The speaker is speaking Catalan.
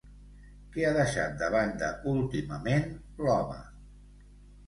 Què ha deixat de banda últimament l'home?